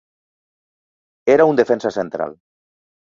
Era un defensa central.